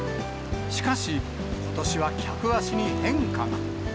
しかし、ことしは客足に変化が。